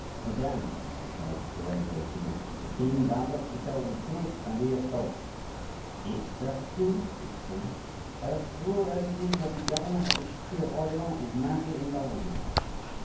"Madame," replied Lorenzo, with dignity, "the king bound us to tell the truth, and we have told it." "Is that true?" she exclaimed. "As true as it is that the governor of the city of Orleans is madly in love with you."